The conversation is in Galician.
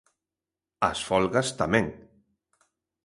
As folgas, tamén.